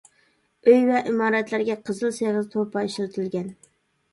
ئۆي ۋە ئىمارەتلەرگە قىزىل سېغىز توپا ئىشلىتىلگەن.